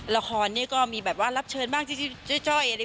ละครมันก็มีรับเชิญบ้างจริงที่เจ้าเอ๋ไป